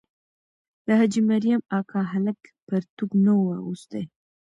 د حاجي مریم اکا هلک پرتوګ نه وو اغوستی.